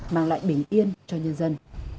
mang lại bình yên cho nhân dân